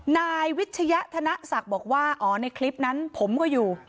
นายวิชยะธนศักดิ์บอกว่าอ๋อในคลิปนั้นผมก็อยู่